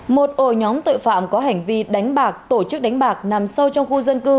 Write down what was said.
một ổ nhóm tội phạm có hành vi đánh bạc tổ chức đánh bạc nằm sâu trong khu dân cư